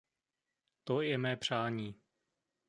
To je mé přání.